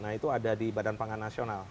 nah itu ada di badan pangan nasional